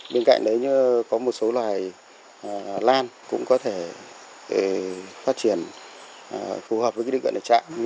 bên cạnh đấy có một số loài lan cũng có thể phát triển phù hợp với điều kiện để trạm